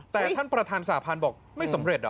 แต่ท่านประธานสาพันธ์บอกไม่สำเร็จ